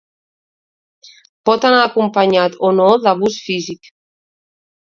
Pot anar acompanyat o no d'abús físic.